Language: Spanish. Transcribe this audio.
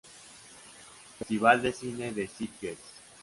Festival de Cine de Sitges